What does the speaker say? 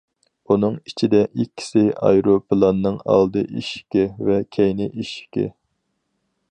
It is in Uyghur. ئۇنىڭ ئىچىدە ئىككىسى ئايروپىلاننىڭ ئالدى ئىشىكى ۋە كەينى ئىشىكى.